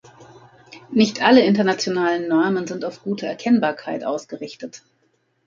Nicht alle internationalen Normen sind auf gute Erkennbarkeit ausgerichtet.